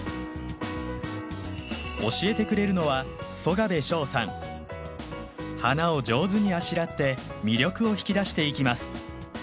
教えてくれるのは花を上手にあしらって魅力を引き出していきます。